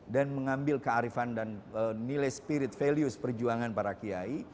dan mengambil kearifan dan nilai spirit values perjuangan para kiai